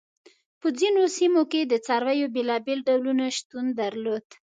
په ځینو سیمو کې د څارویو بېلابېل ډولونه شتون درلود.